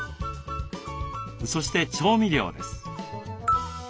そして調味料です。